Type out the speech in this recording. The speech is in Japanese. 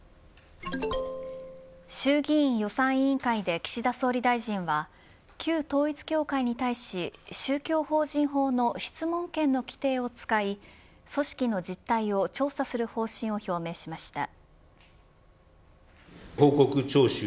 衆議院予算委員会で岸田総理大臣は旧統一教会に対し宗教法人法の質問権の規定を使い組織の実態を調査する方針を表明しました。